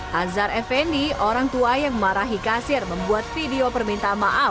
hazar effendi orang tua yang memarahi kasir membuat video permintaan maaf